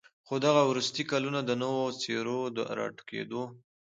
خو دغه وروستي كلونه د نوو څېرو د راټوكېدو